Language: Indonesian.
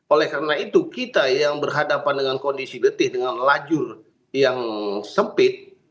oleh karena itu kita yang berhadapan dengan kondisi getih dengan lajur yang sempit